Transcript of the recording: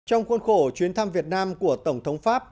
trong khuôn khổ chuyến thăm việt nam của tổng thống pháp